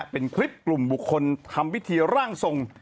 เป็นคลิปกลุ่มบุคคลทำพิธีร่างทรง